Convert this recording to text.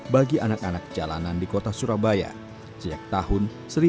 bagi anak anak jalanan di kota surabaya sejak tahun seribu sembilan ratus sembilan puluh